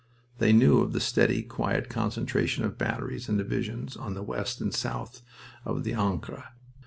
They knew of the steady, quiet concentration of batteries and divisions on the west and south of the Ancre.